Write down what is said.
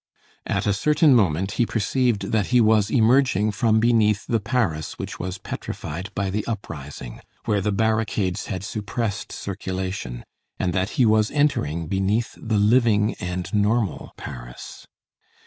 At a certain moment, he perceived that he was emerging from beneath the Paris which was petrified by the uprising, where the barricades had suppressed circulation, and that he was entering beneath the living and normal Paris.